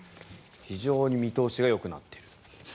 非常に見通しがよくなっている。